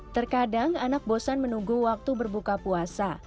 terkadang anak bosan menunggu waktu berbuka puasa